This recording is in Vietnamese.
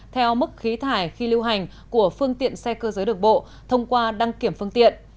theo mức khí thải khi lưu hành của phương tiện xe cơ giới được bộ thông qua đăng kiểm phương tiện